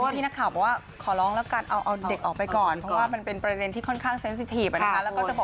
แต่ว่าเธอก็ตอบจริงว่าสำนึกของความเป็นแม่เธอก็ยังมีอยู่นะ